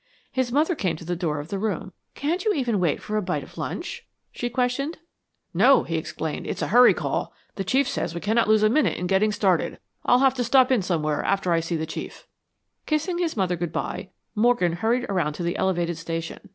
His mother came to the door of the room. "Can't you even wait for a bite of lunch?" she questioned. "No," he explained, "it is a hurry call. The Chief says we cannot lose a minute in getting started. I'll have to stop in somewhere after I see the Chief." Kissing his mother good bye, Morgan hurried around to the elevated station.